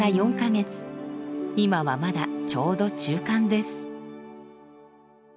今はまだちょうど中間です。